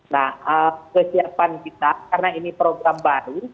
nah kesiapan kita karena ini program baru